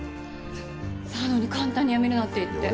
なのに簡単に辞めるなんて言って。